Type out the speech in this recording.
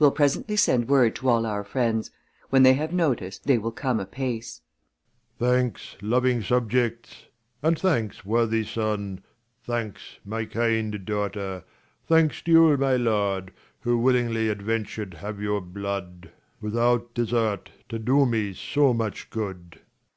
We'll presently send word to all our friends ; When they have notice, they will come apace. 20 Leir. Thanks, loving subjects ; and thanks, worthy son, Thanks, my kind daughter, thanks to you, my lord, Who willingly adventured have your blood, 102 KING LEIR AND [Acr V (Without desert) to do me so much good.